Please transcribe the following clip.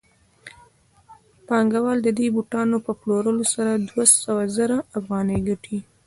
پانګوال د دې بوټانو په پلورلو سره دوه سوه زره افغانۍ ګټي